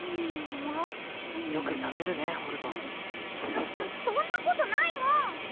よく食べるねえホルトそそんなことないもん！